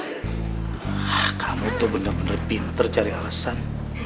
hah kamu tuh bener bener pinter cari alasan